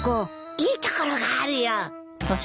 いい所があるよ。